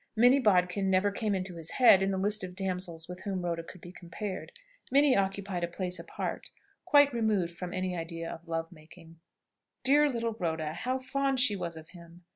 Minnie Bodkin never came into his head in the list of damsels with whom Rhoda could be compared. Minnie occupied a place apart, quite removed from any idea of love making. Dear Little Rhoda! How fond she was of him!